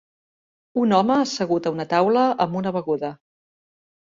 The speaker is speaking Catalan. Un home assegut a una taula amb una beguda.